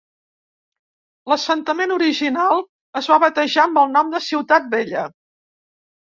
L'assentament original es va batejar amb el nom de Ciutat Vella.